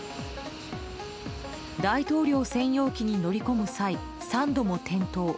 大統領専用機に乗り込む際３度も転倒。